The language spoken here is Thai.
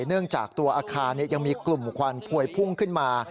เนื่องจากตัวอาคารยังมีกลุ่มควันพวยพุ่งขึ้นมา